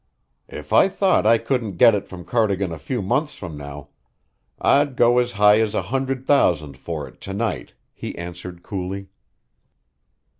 "If I thought I couldn't get it from Cardigan a few months from now, I'd go as high as a hundred thousand for it to night," he answered coolly.